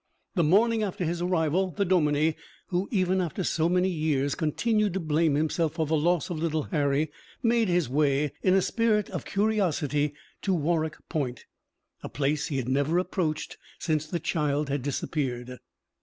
The morning after his arrival, the dominie, who even after so many years continued to blame himself for the loss of little Harry, made his way, in a spirit of curiosity, to Warroch Point, a place he had never approached since the child had disappeared.